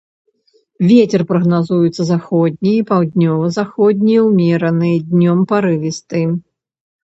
Вецер прагназуецца заходні, паўднёва-заходні ўмераны, днём парывісты.